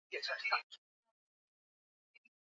Karibu nyumbani